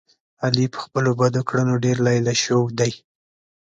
علي په خپلو بدو کړنو ډېر لیله شو دی.